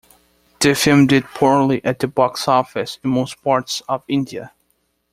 The film did poorly at the box office in most parts of India.